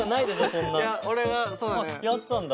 そんなやってたんだ